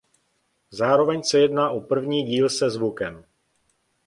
Zároveň se jedná o první díl se zvukem.